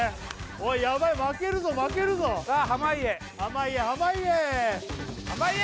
おいやばい負けるぞ負けるぞさあ濱家濱家濱家！